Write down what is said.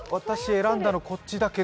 選んだのはこっちだけど、